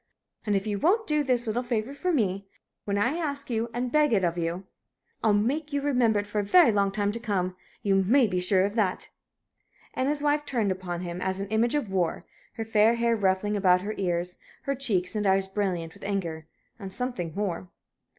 And if you won't do this little favor for me when I ask and beg it of you I'll make you remember it for a very long time to come you may be sure of that!" And his wife turned upon him as an image of war, her fair hair ruffling about her ears, her cheeks and eyes brilliant with anger and something more.